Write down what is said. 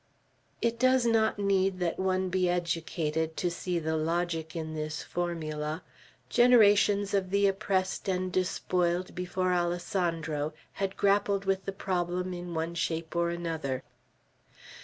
It does not need that one be educated, to see the logic in this formula. Generations of the oppressed and despoiled, before Alessandro, had grappled with the problem in one shape or another.